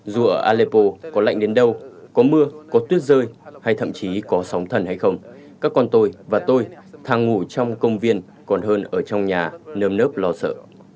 dù ở aleppo có lạnh đến đâu có mưa có tuyết rơi hay thậm chí có sóng thần hay không các con tôi và tôi thang ngủ trong công viên còn hơn ở trong nhà nơm nớp lo sợ